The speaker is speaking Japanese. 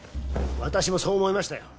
私もそう思いましたよ。